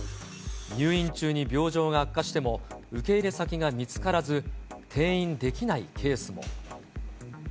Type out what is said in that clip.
入院中に病状が悪化しても、受け入れ先が見つからず、転院できないケースも。